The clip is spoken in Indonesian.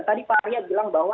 tadi pak arya bilang bahwa